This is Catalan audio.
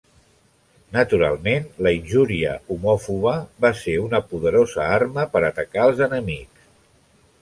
Naturalment la injúria homòfoba va ser una poderosa arma per atacar als enemics.